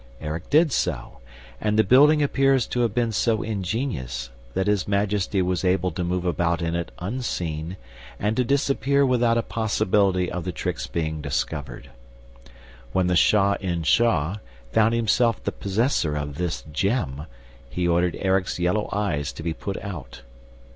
Erik did so; and the building appears to have been so ingenious that His Majesty was able to move about in it unseen and to disappear without a possibility of the trick's being discovered. When the Shah in Shah found himself the possessor of this gem, he ordered Erik's yellow eyes to be put out.